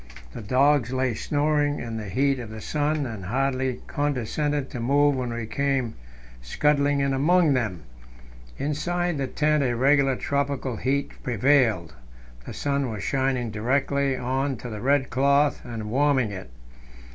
The dogs lay snoring in the heat of the sun, and hardly condescended to move when we came scudding in among them. Inside the tent a regular tropical heat prevailed; the sun was shining directly on to the red cloth and warming it.